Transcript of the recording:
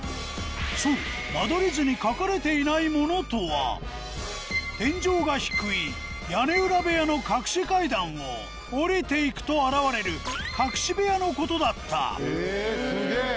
そう間取り図に書かれていないモノとは天井が低い屋根裏部屋の隠し階段をおりていくと現れる隠し部屋のことだったへぇスゲェ。